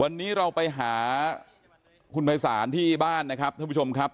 วันนี้เราไปหาคุณภัยศาลที่บ้านนะครับท่านผู้ชมครับ